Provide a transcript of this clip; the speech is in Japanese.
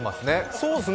そうですね。